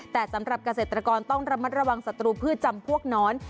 แต่สำหรับเกษตรกรต้องระมัดระวังศัตรูพืชจำพวกน้อน